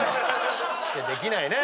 「できない」ね。